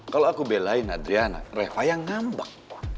kalau aku belain adriana reva yang ngambang